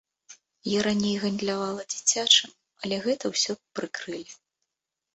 Я раней гандлявала дзіцячым, але гэта ўсё прыкрылі.